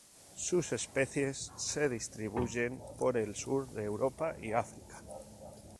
Sus especies se distribuyen por el sur de Europa y África.